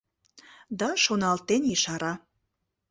Да шоналтен ешара: